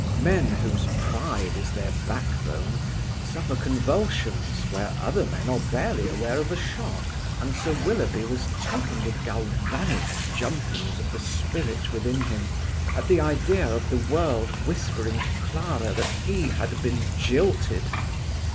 Men whose pride is their backbone suffer convulsions where other men are barely aware of a shock, and Sir Willoughby was taken with galvanic jumpings of the spirit within him, at the idea of the world whispering to Clara that he had been jilted.